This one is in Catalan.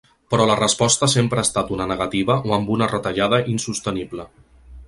Però la resposta sempre ha estat una negativa o amb una retallada insostenible.